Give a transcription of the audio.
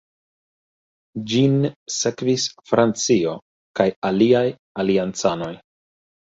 Ĝin sekvis Francio kaj aliaj aliancanoj.